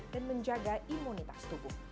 dan menjaga imunitas tubuh